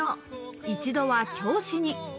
一度は教師に。